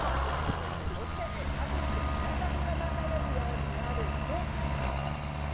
そして各地で稲作がなされるようになると。